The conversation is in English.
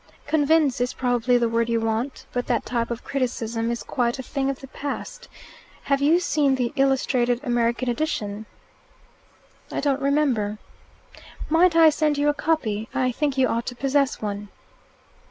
"'Convince' is probably the word you want. But that type of criticism is quite a thing of the past. Have you seen the illustrated American edition?" "I don't remember." "Might I send you a copy? I think you ought to possess one."